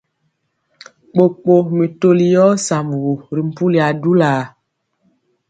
Kpokpo mi toli yɔɔ sambugu ri mpuli adulaa.